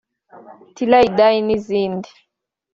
‘ Till I die’ n’izindi